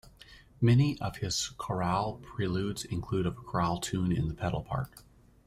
Many of his chorale preludes include a chorale tune in the pedal part.